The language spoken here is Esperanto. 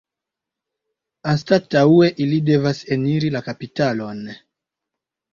Anstataŭe ili devas eniri la kapitalon.